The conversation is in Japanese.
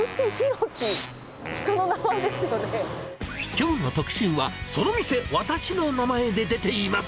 きょうの特集は、その店、私の名前で出ています。